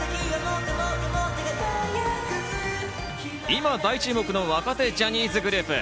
今、大注目の若手ジャニーズグループ。